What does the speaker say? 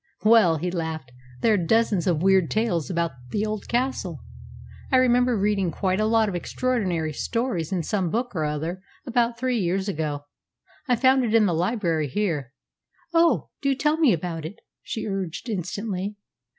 "Well," he laughed, "there are dozens of weird tales about the old castle. I remember reading quite a lot of extraordinary stories in some book or other about three years ago. I found it in the library here." "Oh! do tell me all about it," she urged instantly.